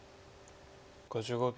５５秒。